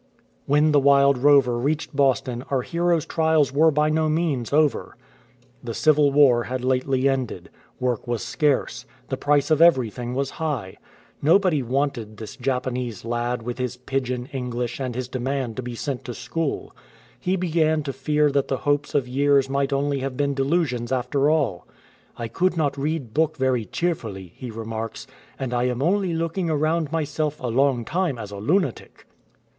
When the Wild Rover reached Boston our hero'^s trials were by no means over. The Civil War had lately ended. Work was scarce ; the price of everything was high. Nobody wanted this Japanese lad with his "pidgin'' English and his demand to be sent to school. He began to fear that the hopes of years might only have been delusions after all. "I could not read book very cheer fully,"" he remarks, "and I am only looking around myself a long time as a lunatic.'"